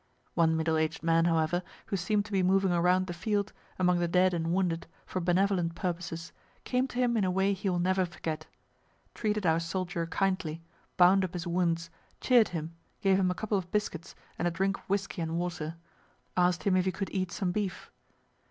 One middle aged man, however, who seem'd to be moving around the field, among the dead and wounded, for benevolent purposes, came to him in a way he will never forget; treated our soldier kindly, bound up his wounds, cheer'd him, gave him a couple of biscuits and a drink of whiskey and water; asked him if he could eat some beef.